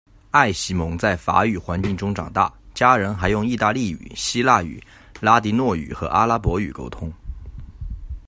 艾席蒙在法语环境中长大，家人还用意大利语、希腊语、拉迪诺语和阿拉伯语沟通。